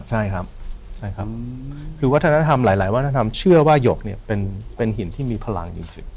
ใช่ครับคือวัฒนธรรมหลายวัฒนธรรมเชื่อว่าหยกเป็นหินที่มีพลังอยู่ที่